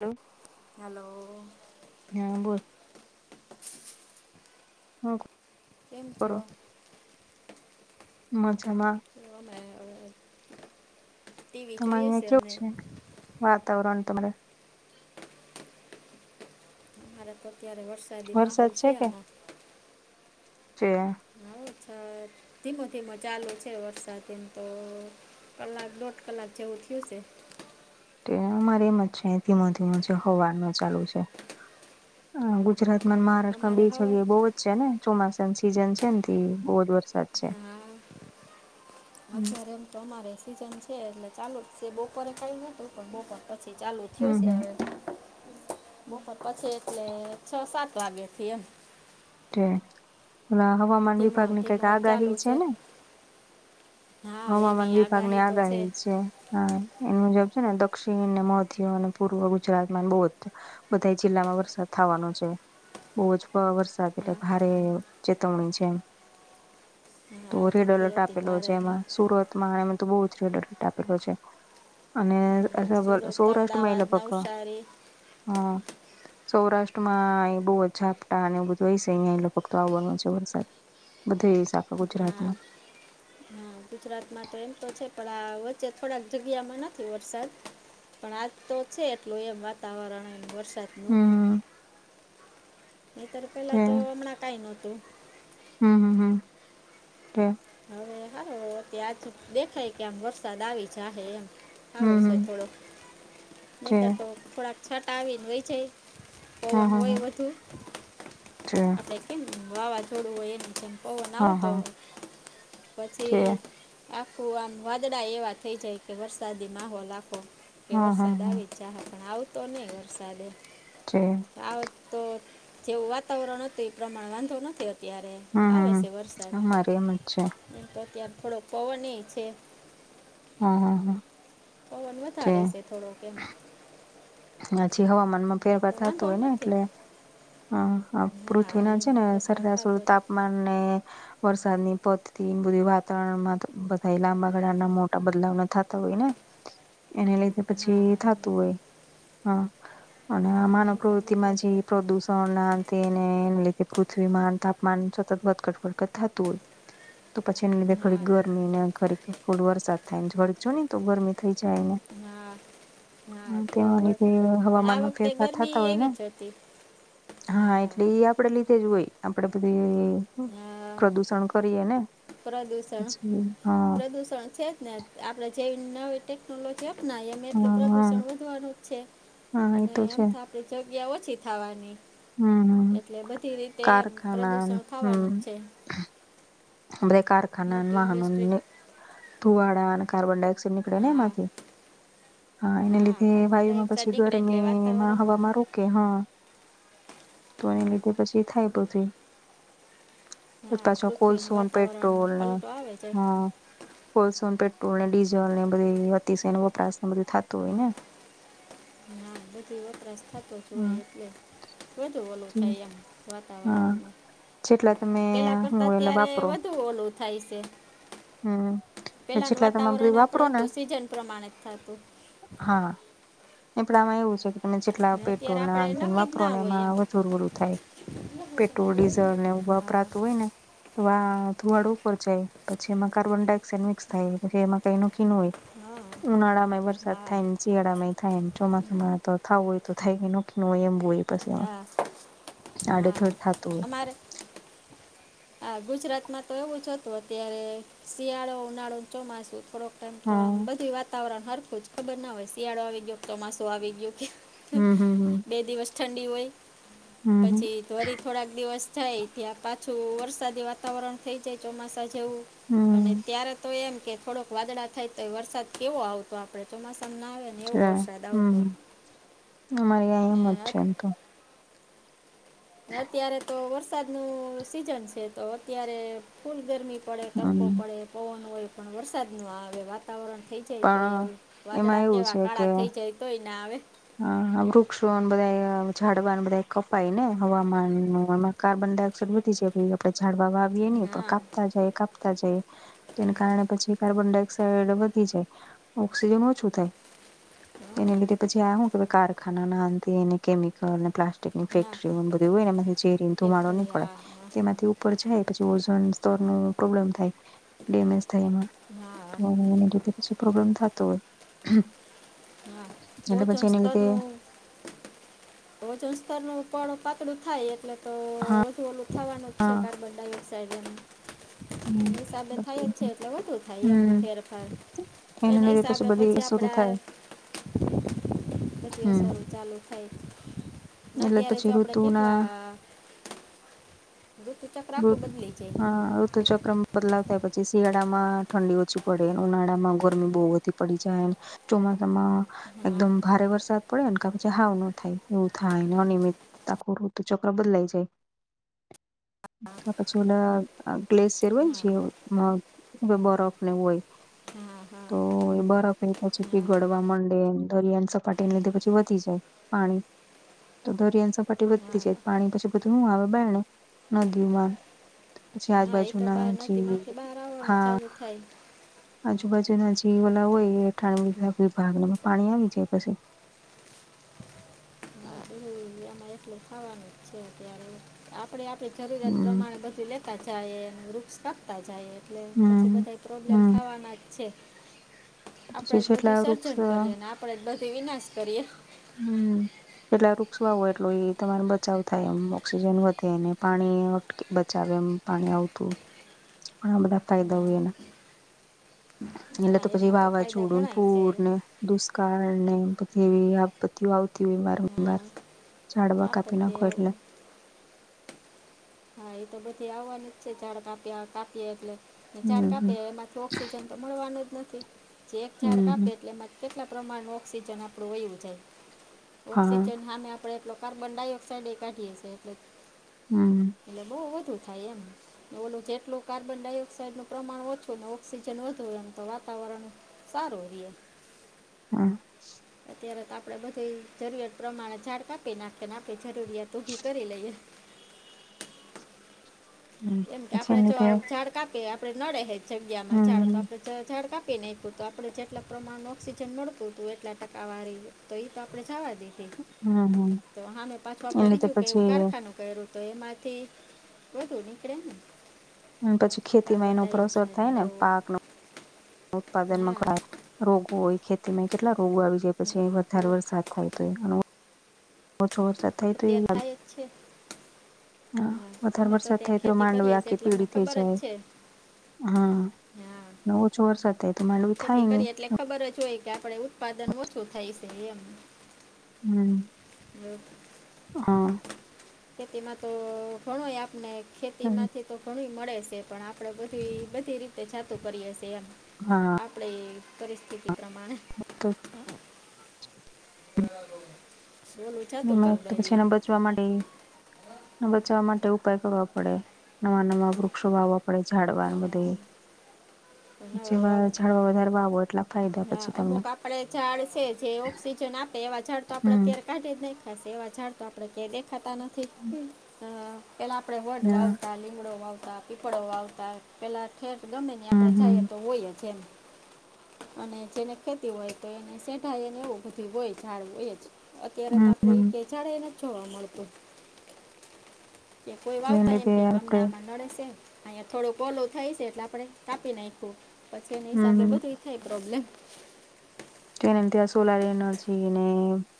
Hello. Hello. બોલ. હમ્મ. કેમ છો? મજા માં. ટીવી તમારે જોઈએશે અહીંયા કેવું અમે. છે વાતાવરણ તમારે મારે તો અત્યારે વરસાદી માહોલ વરસાદ છે કે આમાં છે. અચ્છ ધીમો ધીમો ચાલુ છે વરસાદ એમ તો કલાક દોઢ કલાક જેવું થયું છે. અમારે એમ જ છે ધીમો ધીમો છે હવારનો ચાલુ છે. [inaudible] ગુજરાત મહારાષ્ટ્રમાં અમારે બે હવે જગ્યાએ બહુ જ છે ને ચોમાસાની સીઝન છે ને બહુ જ વરસાદ છે. હમ્મ. હમ અત્યારે એમ તો અમારે સિઝન છે એટલે ચાલુ જ છે બપોરે કયું નતું પણ બપોર પછી ચાલુ જ થયો છે હ હમ બપોર પછી એટલે છ સાત વાગેથી એમ. પ હવામાન ધીમો વિભાગ ની કઈક ધીમો ચાલુ આગાહી છે ને? હા હવામાન એની વિભાગ ની તો આગાહી છે. હા એ મુજબ છે ને દક્ષિણ ને મધ્ય અને પૂર્વ ગુજરાતમાં બહુ જ બધા જિલ્લામાં વરસાદ થવાનો છે. બહુ જ વરસાદ એટલે હા ભારે ચેતવણી છે એ તો રેડ આવતીથી એલર્ટ હતી આપેલો છે ભારતની એમાં સુરતમાં તો બહુ જ રેડ એલર્ટ આપેલો છે. અને હા, સુરત સૌરાષ્ટ્રમાં એ અમદાવાદ લગભગ અ નવસારી સૌરાષ્ટ્ર માં બહુ જ ઝાપટા અને એ બધું વયશે અહીયાં ભગતો આવવાનો છે વરસાદ બધા શખા [unintelligible] હા ગુજરાતમાં હા ગુજરાતમાં તો એમ તો છે પણ આ વચ્ચે થોડાક જગ્યામાં નથી વરસાદ. પણ આજ તો છે એટલું એમ વાતાવરણ એમ વરસાદનું હમ નતર પેલા તો હમણાં કઈ નહોતું. હા હા. હવે હાર ત્યાંજ દેખાય કે આમ વરસાદ આવી જ હ એમ. સારું હમ છે હમ થોડુંક છે નહીતર તો થોડાક છાંટા આવીને વય જાય. પવન હોય વધુ અચ્છા. ક કેમ વાવાઝોડું હોય એને જેમ પવન હા આવતો હા છે પછી આખું આમ વાદળા એવા થઈ જાય કે વરસાદી માહોલ આખો કે હા હા વરસાદ હા આવી જાહે પણ આવતો નહી વરસાદે જ આવ તો જેવું વાતાવરણ હતું એ પ્રમાણે વાંધો નથી અત્યારે હમ હમ આમાંરે્યા એમ જ છે. એ તો ત્યાં થોડોક પવન છે હા હા હા પવન વધારે છે થોડો કેમ હવામાનમાં ફેરફાર પણ થતો વાંધો હોય ને નથી એટલે હમ હા પૃથ્વીના છે એમાં ને ફેરફાર સરાસર થતો હતો તાપમાન ને વરસાદ ની પદથી બધી વાતાવરણમાં બધા લાંબા ગાળાના મોટા બદલાવને થતા હોય ને [inaudible] એને લઈને હા પછી હા એમાં થતું હોય ફેરફાર હા અને હા એના માનવ હિસાબે પ્રવૃતિ માં થતો જે હોય. પ્રદૂષણ ના તેને એને લીધે પૃથ્વીમાં તાપમાન સતત વડકટ ફડકટ થતું હોય તો પછી એને લીધે ખડીક હા ગરમીને ખડીક વરસાદ થાયનેડીક જો ને તો ગરમી થઈ જાયને હા હા તે વર- પણ આ હવામાનમાં વખતે ફેરફાર ગરમી થતા હોય ને એવી જ હતી હા એટલે એ આપડે લીધે જ હોય આપડે બધી અ, પ્રદુષણ કરીએ ને પ્રદૂષણ પછી. હા પ્રદુષણ છે જ ને આપડે જવી ન ટેકનોલોજી અપનાય એમ એટલું હા હા પ્રદુષણ વધવાનું છે હા એ અને તો એમ છે થ તે જગ્યા ઓછી થવાની હમ હમ એટલે બધી રીતે કારખાના ન પ્રદુષણ ખાવાનું જ છે આપરે કારખાના મોટી ઇન્ડસ્ટ્રી વાહનને ધુવાડા અને કાર્બન ડાયોક્સાઇડ નીકળે ને હા એમાંથી હા એને લીધે કાર્બન વાયુમાં ડાયોક્સાઇડ પછી નીકળે એટલે ગરમીમાં વાતાવરણ હવામાં રો કે હા તો એને લીધે પછી થાય હા પાછ પૃથ્વીનું કોલસન વાતાવરણમાં પેટ્રોલને પલટો આવે છે હા [unintelligible] કો પેટ્રોલ ને ડીઝલ ને બધી અતિશ વપરાશ ને બધું થતું હોય હા ને હા બધી વપરાશ થતો જોય હા એટલે વધધુ વલું જી થાય એમ [unintelligible] હા વાતાવરણમાં જેટલા તમે પેલા હું કરતા એટલે ત્યારે વાપરો વધુ ઓલું થાય છે હમ પેલાનું જેટલા તમે બધી વાતાવરણ આપડ વાપરો ને હતું સીઝન પ્રમાણે જ થતું હા નીપડામાં એવું છે એ જેટલા ને અત્યારે પેટ્રોલ આપણે નાંદન નક્કી જ વાપરો ના ને હોય એમાં એમ વધુ રડું થાય પેટ્રોલ ડીઝલ ને એવું હા વાપરાતું હોય ને તો આ ધુવાડું ઉપર જાય પછી એમાં કાર્બન ડાયોક્સાઇડ મિક્સ થાય પછી એમાં ક ન કી ન હોય હા ઉનાળા માં વરસાદ હા થાય ને શિયાળામાંય થાય એમ ચોમાસામાં તો થાવું હોય તો થાય કે નોખ ન હોય એમ હોય હા હા સાડેથર થાતુંર હા ગુજરાતમાં તો એવું જ હતું અત્યારે શિયાળો ઉનાળો ન ચોમાસું થોડુંક મ તો આમ હા બધું વાતાવરણ હરખું જ ખબર ના હોય શિયાળો આવી ગયો તો માસું આવી ગયું કે હમ હમ હમ બે દિવસ ઠંડી હોય હમ પછી તોરી થોડાક દિવસ જાય ત્યાં પાછું વરસાદી વાતાવરણ થઈ જાય ચોમાસા જેવું અને હમ ત્યારે તો એમ કે થોડોક વાદળા થાય તો વરસાદ કેવો આવતો આપણે ચોમાસાું ના આવે અને એવો હમ વરસાદ આવતો હમ અમારે અહી ને એમ જ છે એમ તો અત્યારે તો વરસાદનું સીઝન છે તો અત્યારે ફૂલ ગરમી પડે તડકો હમ પડે પવન હોય પણ વરસાદ ન આવે વાત વાતાવરણ થઈ જાય તો હોય પણ એવું એમાં વાદળા કેવા કાળા થઈ જાય તો હોય આવે હા વૃક્ષો બધા ઝાડવા બધા કપાય ને હવામાનમાં કાર્બન ડાયોક્સાઈડ વધી જાય આપણેે ઝાડવા વાવીએ નહીં પણ હા કાપતાં જાય કા તા જઈએ તો એને કારણે પછી કાર્બન ડાયોક્સાઈડ વધી જાય. ઓક્સિજન ઓછું થાય હા એને લીધે પછી આ હું કે કારખાનાનાને કેમિકલને પ્લાસ્ટિક હા ફેક્ટરીઓ બધી હોયને એમાથી ઝેરી ન ધુમાડો ફેક્ટરી નીકળે હા હા તેમાંથી ઉ ઉપર જાય પછી ઓઝન સ્તરનું પ્રોબ્લેમ થાય ડેમેજ થાય એમાં. હા તો હું ને કેતી પછી પ્રોબ્લેમ થાતો હોય. હા એટલે ઓઝોન પછી એને લીધે સ્તરનું વજન સ્તરનું પડ પાતળું થાય એટલે તો વધુ ઓલું થવાનું જ છે હા કાર્બન ડાયોક્સાઈડ થાય હમ એની હિસાબે થાય જ છે પછી એટલે વધુ થાય એમ હમ ફેરફાર. એને એના લીધે હિસાબે બધી પછી શરૂ આપડા થાય હમ [unintelligible] ચાલુ થાય. ન એટલે અત્યારે તો પછી આપડે ઋતુના કેટલા રુતુ રુત હા રુત તો ચક્રમાં બદલાવ થાય પછી શિયાળામાં ઠંડી ઓછી પડે, ઉનાળામાં ગરમી બહુ વધી પડી જાય. ચોમાસામાં હા એકદમ ભારે વરસાદ પડે ને કા પછી હાવ નો થાય એવું થાય ને અનિયમિત તો આખું રુતુ ચક્ર બદલાઈ જાય. પછી ઓલા ગ્લેસિયર હોય ને જે મ બરફને એવું હોય. હા હા તો એ બરફ એ પછીથી હા ગળવા માંડે દરિયાની સપાટીને લીધે પછી વધી જાય પાણી. તો દરિયાની સપાટી વધતી હા જાય પાણી પછી બધું હું આવે બારણે. નદીઓમાં પછી હા એ તો બહાર આજુબાજુના જે નદીમાંથી બહાર આવવાનું હા. ચાલુ થાય. આજુબાજુનાં જે ઓલા હોય એ રહેઠાણ વિભાગ એમાં પાણી આવી જાય પછી. ન્યા એમા એટલું ખાવાનું છે ત્યારે આપણેે આપણી જરૂરિયાત હમ પ્રમાણે બધું લે તા જાયે ને વૃક્ષ કાપતાં જાયે એટલે પછી હમ બધાય પ્રોબ્લેમ હમ થાવાના જ છે. આપણેે પછી જ જેટલા બધી વૃક્ષ સર્જન કરીએ ને આપણેે જ બધી વિનાશ કરીએ. એટલા વૃક્ષ વાવો એટલો ઈ તમારો બચાવ થાય એમ ઓક્સિજન વધેને પાણી અ બચાવે એમ પાણી આવતું ઘણાં બધાં ફાયદા હોય એના. [inaudible] એટલે હા તો પછી એમાં ફાયદા વાવાઝોડું ન ઘણાય છે પૂરને દુષ્કાળ ને બધી એવી આપત્તિઓ આવતી હોય હા વારંવાર. ઝાડવા કાપી આપત્તિ નાખો આવ- એટલે. હા, એ તો બધે આવવાનું જ છે ઝાડ કાપ્યા કાપ્યે એટલે ઝાડ હમ કાપે હમ એમાં ઓક્સિજન તો મળવાનું જ નથી જે એક ઝાડ હમ કાપે હમ એટલે એમાંથી કેટલા પ્રમાણમાં ઓક્સિજન આપણું વયુ જાય હા ઑક્સિજન હામે આપણે એટલો કાર્બન ડાયોક્સાઈડએ કાઢીએ છે એટલે હમ્મ. એટલે બોવ વધુ થાય એમ. ઓલું જેટલું કાર્બન ડાયોક્સાઈડનું પ્રમાણ ઓછું ને ઓક્સિજન વધુ એમ તો વાતાવરણ સારું રીયે. હા. [inaudible] અત્યારે તો આપણે બધેય જરૂરિયાત પ્રમાણે ઝાડ કાપી નાખીએને આપણે જરૂરિયાત ઊભી કરી લઈએ. હમ કેમ કે પછી આપડે એને જો લીધે ઝાડ કાપીએ આપડે નડે હે જગ્યામાં ઝાડ હમ કાપે જ ઝાડ કાપી નાયખુ તો આપડે જેટલાં પ્રમાણ ઓક્સિજન મળતું હતું એટલા ટકાવારી તો ઈ તો આપડે જવા દીધી હમ હમ તો હામે પાછું એને આપડે લીધે બીજું કે એવું પછી કારખાનું કયરું તો એમાંથી વધુ નીકળેને. પછી ખેતીમાં એનો ઉપર અસર થાય ને એવું પાકનો ઉત્પાદનમાં હા કાય. રોગો હોય ખેતીમાં કેટલા રોગો આવી જાય ને પછી વધારે હવે વરસાદ થાય તો ઓછો વરસાદ. થાય તો અત્યાર થાય જ છે. હા, વધારે અમે વરસાદ ત્યાં થાય તો ખેતી માંડવી કરીએ છીએ આખી એટલે અમને પીળી થઈ ખબર જ જાય. છે હમ, હા ન ઓછો વરસાદ. [unintelligible] ખેતી કરીએ એટલે ખબર જ હોય કે આપડે ઉત્પાદન ઓછું થાય છે એમ. હમ. હમ, હા ખેતીમાં તો ધણોય આપને. ખેતીમાંથી તો ઘણું મળે છે પણ આપણે બધી બધી રીતે જાતું કરીએ છીએ એમ. હા. આપડે પરિસ્થિતિ પ્રમાણે. [unintelligible] બરાબર. મે તો પછી એના બધ ચવા માટે બચાવવા માટે ઉપાય કરવા પડે નવા નવા વૃક્ષો વાવવા આપણે ઝાડવા ને બધે હા નવા જેમાં વાવ ઝાડવા વધાર વાવો એટલા ફાયદા હા પછી તમને અમુક આપડે ઝાડ છે જે ઓક્સિજન આપે એવા ઝાડ તો આપડે હમ અત્યારે કાઢી જ નાખા છે એવા ઝાડ તો આપડે ક્યાંય દેખાતા નથી. પેલાં આપણે વડ હા વાવતા લીંબડો વાવતા. પીપળો વાવતા પેલા ઠેટ ગમે ત્યા હમ આપણે જઈએ હમ તો હોયએ જ એમ. અને જેને ખેતી હોય તો એને શેઢાયને એવું બધું હોય ઝાડ હોય જ. અત્યારે તો હમ આપડે હમ એકેય ઝાડે નય જોવા મળતું. કે કોઈ જેને વાવતા લીધે નથી એમ કે ગમ આપડે માં નડે છે. અહીંયા થોડુંક ઓલું થાય છે એટલે આપણે કાપી નાખવું પછી એની હમ હિસાબે હમ બધું થાય પ્રોબ્લેમ કે ત્યાં સોલાર એનર્જી ને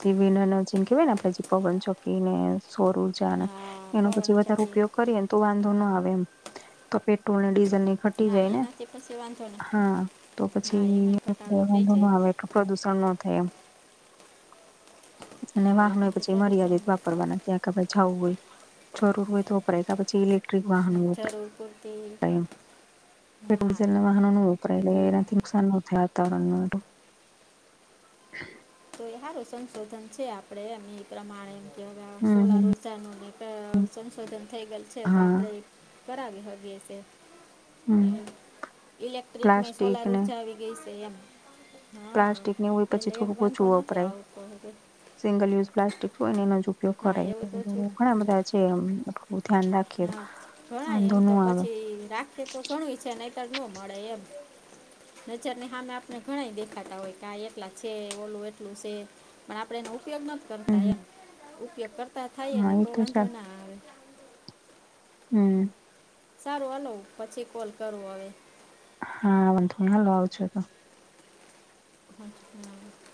જીન એનર્જીને કેવાય ને આપડે જે પવન ચોકીને સોરૂ હા એનો પવન પછી વધારે ચક્કી ઉપયોગ કરીએને તો વાંધો ના આવે એમ તો પેટ્રોલ ને ડીઝલ ની ઘટી ના જાય ને એનાથી પછી વાંધો નહીં હા તો પછી ના એમાંય ઘટાડો થઈ વાંધો ન જાય આવે. પ્રદૂષણ ન થાય એમ. અને ના વાહનો એનાથી પછી પ્રદૂષણ મર્યાદિત નહીં થાય વાપરવાના ક્યાં ક્યાક જવું હોય જરૂર હોય તોપરાય પછી ઇલે. [unintelligible] વાહનો ને જરૂર પૂરતી વપરાય, ના વાઝલ વાહનો વપરાય એ લઇ તો એનાથી. નુકસાન ન થાય વાતાવરણનું. તો સારું સંશોધન છે આપડે એમ એ પ્રમાણે. હમ સોલાર હમ ઉર્જા નું જે હમ. સંશોધન થઈ ગયેલ છે તો હા આપણે. કરાવી હકીયે છે હમ ઇલેક્ટ્રિકમાં પ્લાસ્ટિક સોલાર ને ઉર્જા આવી. ગઈ સે એમ. પ્લાસ્ટિક ને હોય પછી થોડું -દોનો કીયાઆ ઉપર હોતૈ. સિંગલ યુઝ પ્લાસ્ટિક હોય ને એનો જ ઉપયોગ હા કરાય એવું તો છું ઘણા બધા છે ધ્યાન રાખે. હા ઘણાય એમ તો પછી રાખે તો ઘણું ઈ્ છે નતર ન મળે એમ. નજર ને સામે આપને ઘણા દેખાતા હોય કે આ એટલા છે ઓલું એટલું છે. પણ આપડે એનો ઉપયોગ નથી કરતા હમ એમ ઉપયોગ કરતા થઈ હા ને એ તો છે વાંધો ના. હમ્મ. સારું હાલો પછી કોલ કરું હવે. હા બ ફણાલ આવ છે તો. [inaudible]